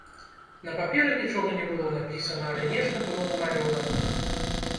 На паперы нічога не было напісана, але нешта было намалёвана.